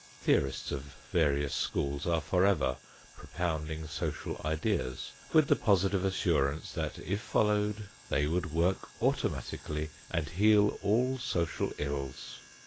Theorists of various schools are forever propounding social ideas, with the positive assurance that, if followed, they would work automatically and heal all social ills.